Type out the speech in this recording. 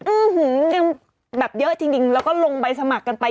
ยังแบบเยอะจริงแล้วก็ลงใบสมัครกันไป